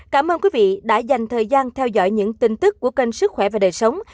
cảm ơn quý vị đã dành thời gian theo dõi những tin tức của kênh sức khỏe và đời sống